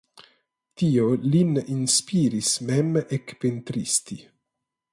Tio lin inspiris mem ekpentristi.